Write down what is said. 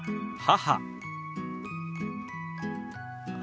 母。